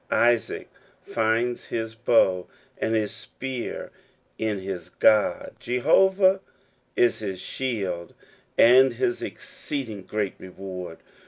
Isaac finds his bow and his spear in his God, Jehovah is his shield and his exceeding great reward.